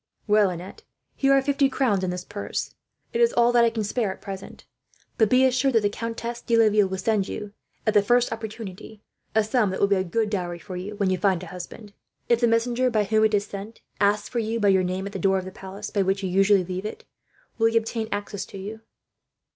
"Well, Annette, here are fifty crowns in this purse. It is all that I can spare, at present; but be assured the Countess de Laville will send you, at the first opportunity, a sum that will be a good dot for you, when you find a husband. If the messenger by whom it is sent asks for you by your name, at the door of the palace by which you usually leave it, will he obtain access to you?"